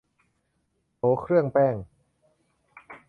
โถเครื่องแป้ง